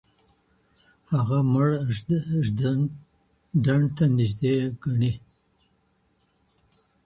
هغه مړ ږدن ډنډ ته نږدې ګڼي.